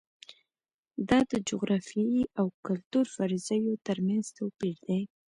دا د جغرافیې او کلتور فرضیو ترمنځ توپیر دی.